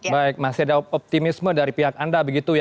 baik masih ada optimisme dari pihak anda begitu ya